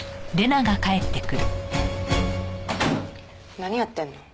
何やってんの？